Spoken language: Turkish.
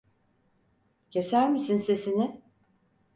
Keser misin sesini?